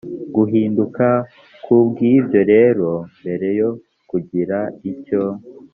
guhinduka ku bw ibyo rero mbere yo kugira icyo